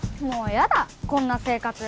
もう嫌だこんな生活。